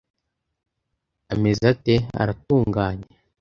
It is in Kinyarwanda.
ameze ate aratunganye